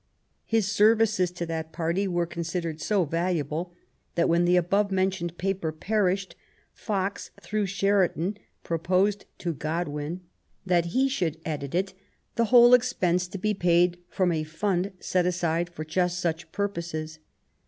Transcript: His services to that party were considered so valuable that when the above mentioned paper perished, Fox, through Sheridan, proposed to Godwin that he should WILLIAM GODWIN. 171 'edit it, the ^hole expense to be paid from a fund set aside for just such purposes.